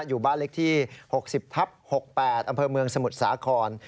อยู่บ้านเล็กที่๖๐ทับ๖๘อำเภอเมืองสมุทรสาคร